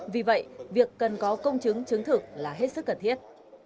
vì vậy việc cần có công chứng chứng thực là hết sức cần thiết